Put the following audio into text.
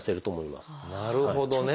なるほどね。